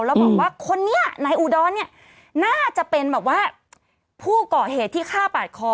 แล้วบอกว่าคนนี้นายอุดรเนี่ยน่าจะเป็นแบบว่าผู้เกาะเหตุที่ฆ่าปาดคอ